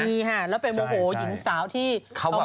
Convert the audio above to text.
มีฮะแล้วเป็นมั่วโหหญิงสาวที่เขาไม่ยอม